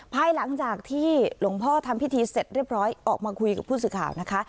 ภายหลังจากที่หลวงพ่อทำพิธีเสร็จเรียบร้อยออกมาคุยกับผู้สื่อข่าวนะคะ